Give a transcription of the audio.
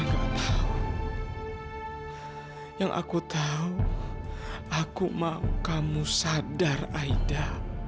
yang aku tahu aku mau kamu sadar aida